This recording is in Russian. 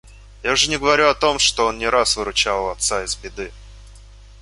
Я уже не говорю о том, что он не раз выручал отца из беды.